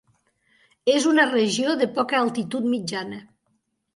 És una regió de poca altitud mitjana.